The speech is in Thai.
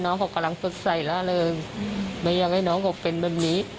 น้องเขากำลังฟึกใส่แล้วเลยไม่อยากให้น้องเขาเป็นแบบนี้